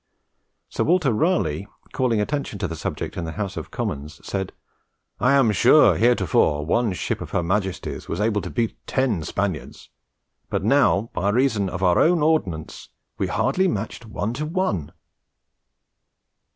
Sir Walter Raleigh, calling attention to the subject in the House of Commons, said, "I am sure heretofore one ship of Her Majesty's was able to beat ten Spaniards, but now, by reason of our own ordnance, we are hardly matcht one to one."